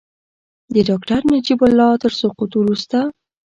د ډاکټر نجیب الله تر سقوط وروسته.